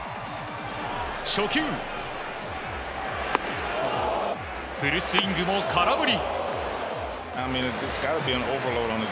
初球、フルスイングも空振り。